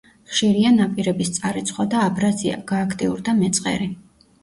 ხშირია ნაპირების წარეცხვა და აბრაზია, გააქტიურდა მეწყერი.